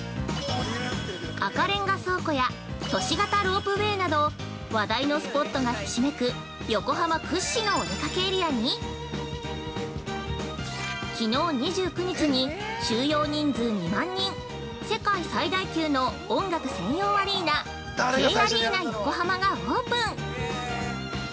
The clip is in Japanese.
赤レンガ倉庫や都市型ロープウェイなど話題のスポットがひしめく横浜屈指のお出かけエリアに、昨日２９日に、収容人数２万人世界最大級の音楽専用アリーナ「Ｋアリーナ横浜」がオープン。